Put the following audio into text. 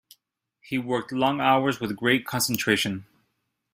He worked "long hours with great concentration".